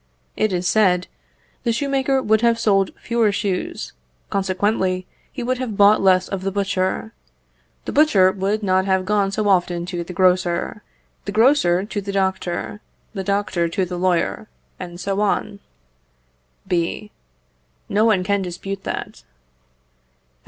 It is said, the shoemaker would have sold fewer shoes, consequently he would have bought less of the butcher; the butcher would not have gone so often to the grocer, the grocer to the doctor, the doctor to the lawyer, and so on. B. No one can dispute that.